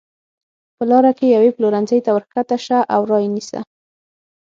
په لاره کې یوې پلورنځۍ ته ورکښته شه او را یې نیسه.